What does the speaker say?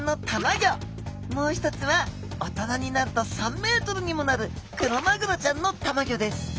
もう一つは大人になると３ｍにもなるクロマグロちゃんのたまギョです。